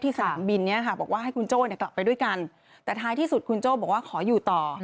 สนามบินเนี่ยค่ะบอกว่าให้คุณโจ้กลับไปด้วยกันแต่ท้ายที่สุดคุณโจ้บอกว่าขออยู่ต่อ